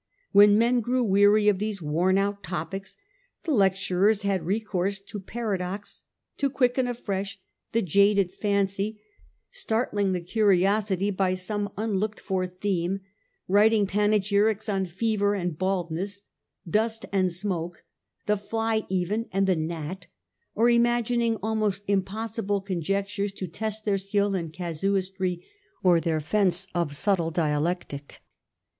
When men grew weary of these worn out topics, the lecturers had recourse 'to paradox to quicken afresh the laded fancy, startling 1 82 The Age of the Antonines. ch. vm. the curiosity by some unlooked for theme, writing pane gyrics on Fever and Baldness, Dust and Smoke, the Fly even and the Gnat, or imagining almost impossible con junctures to test their skill in casuistiy or their fence of subtle dialectic.